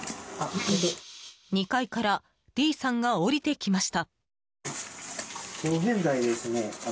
２階からＤさんが下りてきました。